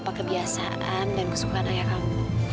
apa kebiasaan dan kesukaan ayah kamu